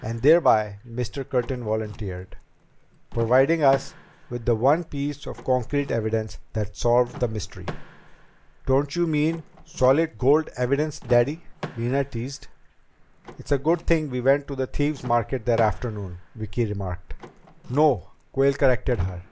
"And thereby," Mr. Curtin volunteered, "providing us with the one piece of concrete evidence that solved the mystery." "Don't you mean solid gold evidence, Daddy?" Nina teased. "It's a good thing we went to the Thieves' Market that afternoon," Vicki remarked. "No," Quayle corrected her.